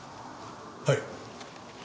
はい。